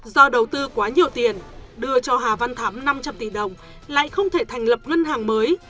do đầu tư quá nhiều tiền đưa cho hà văn thắm năm trăm linh tỷ đồng lại không thể thành lập ngân hàng mới